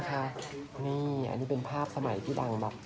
ก็คือเพลงที่สุด